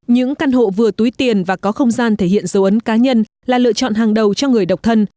những căn hộ vừa túi tiền và có không gian thể hiện dấu ấn cá nhân là lựa chọn hàng đầu cho người độc thân